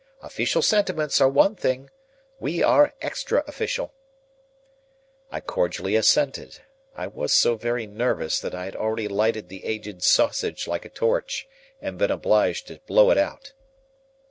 Official sentiments are one thing. We are extra official." I cordially assented. I was so very nervous, that I had already lighted the Aged's sausage like a torch, and been obliged to blow it out.